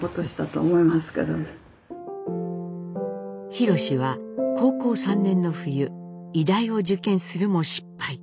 ひろしは高校３年の冬医大を受験するも失敗。